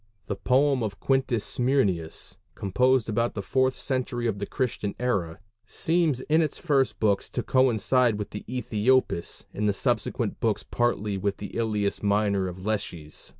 The poem of Quintus Smyrnæus, composed about the fourth century of the Christian era, seems in its first books to coincide with Æthiopis, in the subsequent books partly with the Ilias Minor of Lesches.